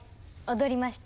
踊りました。